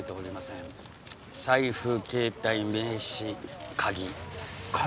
財布携帯名刺鍵。